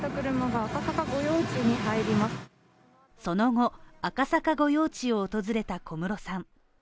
その後、赤坂御用地を訪れた小室さん。